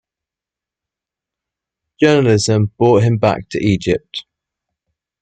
Journalism brought him back to Egypt.